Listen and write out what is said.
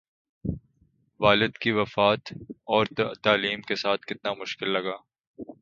والد کی وفات اور تعلیم کے ساتھ کتنا مشکل لگا